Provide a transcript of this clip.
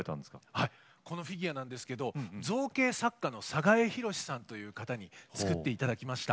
はいこのフィギュアなんですけど造形作家の寒河江弘さんという方に作っていただきました。